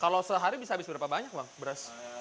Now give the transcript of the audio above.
kalau sehari bisa habis berapa banyak bang beras